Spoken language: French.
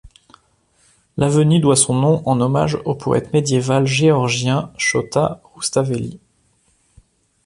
L'avenue doit son nom en hommage au poète médiéval géorgien Chota Roustavéli.